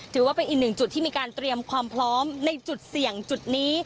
ถือว่าเป็นอีกหนึ่งจุดที่มีการเตรียมความพร้อมในจุดเสี่ยงจุดนี้